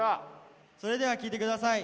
それでは聴いてください